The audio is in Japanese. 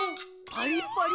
パリッパリ。